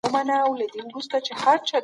يوولس دولس ديارلس څوارلس پنځه لس